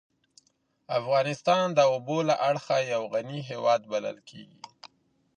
افغانستان د اوبو له اړخه یو غنی هېواد بلل کېږی.